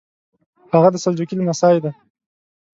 هغه د سلجوقي لمسی دی.